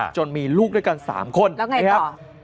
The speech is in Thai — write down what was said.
จนมีลูกด้วยกัน๓คนแล้วไงครับ